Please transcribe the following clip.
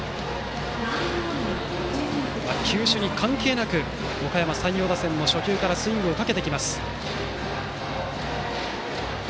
球種に関係なくおかやま山陽打線も初球からスイングをかけてきます。